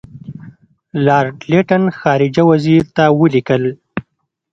لارډ لیټن خارجه وزیر ته ولیکل.